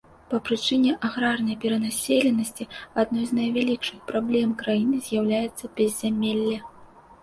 Па прычыне аграрнай перанаселенасці адною з найвялікшых праблем краіны з'яўляецца беззямелле.